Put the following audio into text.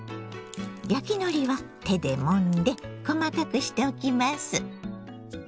焼きのりは手でもんで細かくしておきます。